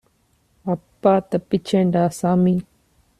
அப்பா தப்பிச்சேன்டா சாமி